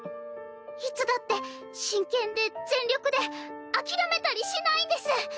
いつだって真剣で全力で諦めたりしないんです。